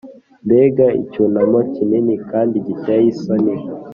mbega icyunamo kinini kandi giteye isoni